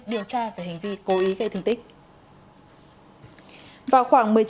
điều tra về hành vi cố ý gây thương tích